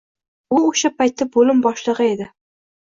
U o'sha paytda bo'lim boshlig'i edi